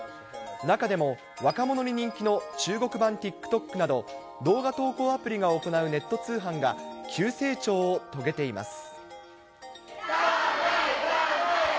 中でも若者に人気の中国版ＴｉｋＴｏｋなど、動画投稿アプリが行うネット通販が急成長を遂げています。